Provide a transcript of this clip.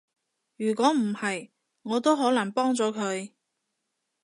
如果唔係，我都可能幫咗佢